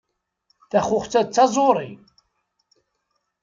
Taxuxet-a d taẓuri.